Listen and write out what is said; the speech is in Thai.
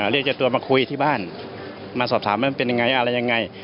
เรียกเจ้าตัวมาคุยที่บ้านมาสอบถามว่ามันเป็นยังไงอะไรยังไง